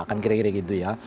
kan kira kira gitu ya